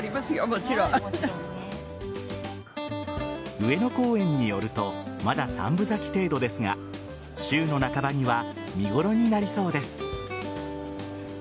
上野公園によるとまだ三分咲き程度ですが週の半ばには見ごろになりそうです。